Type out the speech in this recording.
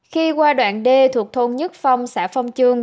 khi qua đoạn đê thuộc thôn nhất phong xã phong trương